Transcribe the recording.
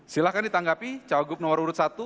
silahkan ditanggapi cowok grup nomor urut satu